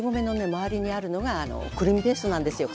周りにあるのがくるみペーストなんですよ